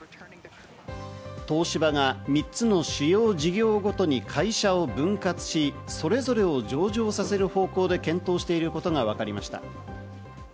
東芝が３つの主要事業ごとに会社を分割し、それぞれを上場させる方向で検討していることがわかりました。